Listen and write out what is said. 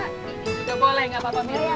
udah boleh gak papa mirna